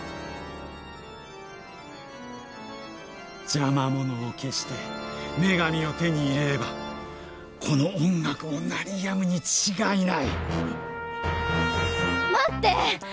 邪魔者を消して女神を手に入れればこの音楽も鳴りやむに違いない。待って！